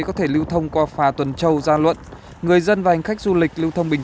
có thể lưu thông qua phà tuần châu gia luận người dân và hành khách du lịch lưu thông bình